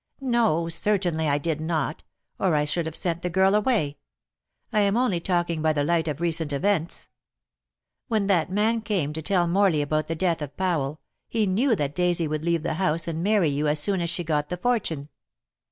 "No. Certainly I did not, or I should have sent the girl away. I am only talking by the light of recent events. When that man came to tell Morley about the death of Powell he knew that Daisy would leave the house and marry you as soon as she got the fortune.